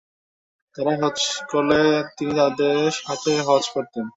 তাঁরা হজ্জ করলে তিনি তাঁদের সাথে হজ্জ করতেন।